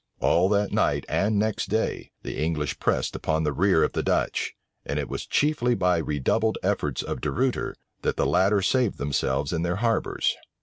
All that night and next day, the English pressed upon the rear of the Dutch; and it was chiefly by the redoubled efforts of De Ruyter, that the latter saved themselves in their harbors.